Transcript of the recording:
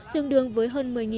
tương đương với hơn một mươi đồng